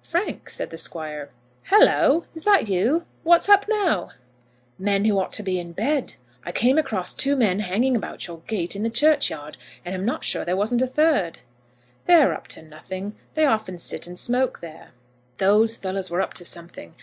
"Frank," said the Squire. "Halloo! is that you? What's up now?" "Men who ought to be in bed. I came across two men hanging about your gate in the churchyard, and I'm not sure there wasn't a third." "They're up to nothing. They often sit and smoke there." "These fellows were up to something.